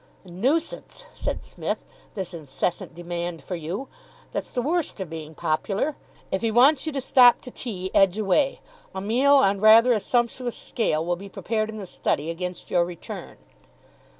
"A nuisance," said Psmith, "this incessant demand for you. That's the worst of being popular. If he wants you to stop to tea, edge away. A meal on rather a sumptuous scale will be prepared in the study against your return."